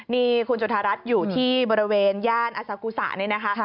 นี่คุณจุธารัฐอยู่ที่บริเวณย่านอสากุศะนี่นะคะ